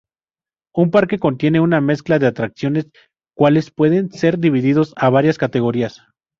Un parque contiene una mezcla de atracciones cuáles pueden ser divididos a varias categorías.